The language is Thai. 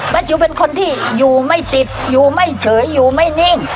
จุเป็นคนที่อยู่ไม่ติดอยู่ไม่เฉยอยู่ไม่นิ่ง